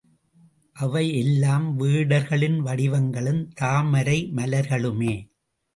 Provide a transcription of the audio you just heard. அவை எல்லாம் வேடர்களின் வடிவங்களும் தாமரை மலர்களுமே.